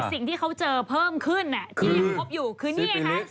สิ่งที่เขาเจอเพิ่มขึ้นที่ยังพบอยู่คือนี่ไงคะ